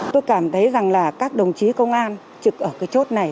tôi cảm thấy rằng là các đồng chí công an trực ở cái chốt này